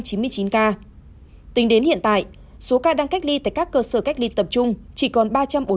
tính đến hiện tại số ca đang cách ly tại các cơ sở cách ly tập trung chỉ còn ba trăm bốn mươi ca